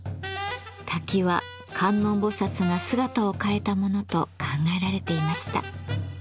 滝は観音菩薩が姿を変えたものと考えられていました。